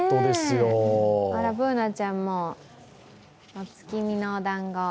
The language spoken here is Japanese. あらＢｏｏｎａちゃんも、お月見のおだんご。